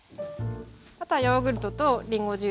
あとはヨーグルトとりんごジュース。